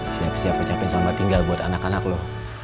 siap siap ucapin salam batin gak buat anak anak lu